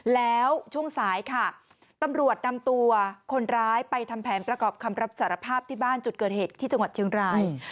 แล้วช่วงสายค่ะตำรวจนำตัวคนร้ายไปทำแผนประกอบคำรับสารภาพที่บ้านจุดเกิดเหตุที่จังหวัดเชียงราย